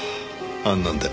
あんなんで。